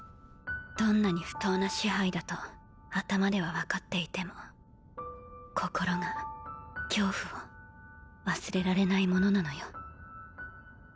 どんなに不当な支配だと頭では分かっていても心が恐怖を忘れられないものなのよ。